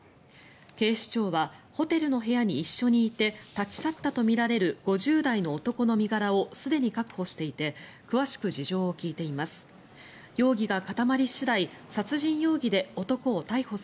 警視庁はホテルの部屋に一緒にいて立ち去ったとみられる５０代の男の身柄をすでに確保していて詳しく事情を聴いています。